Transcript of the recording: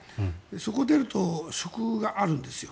そこを出ると職があるんですよ。